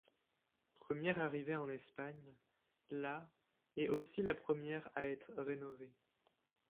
Première arrivée en Espagne, la est aussi la première à être rénovée.